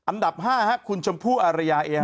อันดับ๕คุณชมพู้อารยาเอฮะเกียจ